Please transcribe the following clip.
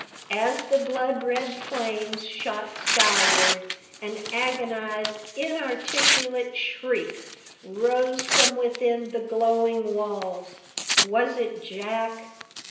As the blood red flames shot skyward, an agonised, inarticulate shriek rose from within the glowing walls. Was it Jack?